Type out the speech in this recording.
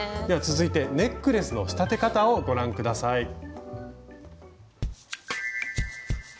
では続いてネックレスの仕立て方をご覧下さい。